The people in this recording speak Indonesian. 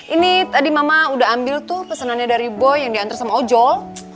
ini tadi mama udah ambil tuh pesanannya dari boy yang diantar sama ojol